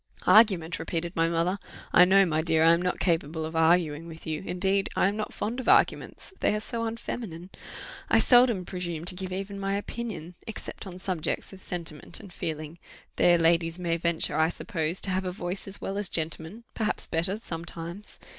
"Argument!" repeated my mother: "I know, my dear, I am not capable of arguing with you indeed I am not fond of arguments, they are so unfeminine: I seldom presume to give even my opinion, except on subjects of sentiment and feeling; there ladies may venture, I suppose, to have a voice as well as gentlemen, perhaps better, sometimes.